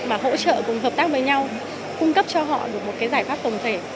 mà hỗ trợ cùng hợp tác với nhau cung cấp cho họ được một cái giải pháp tổng thể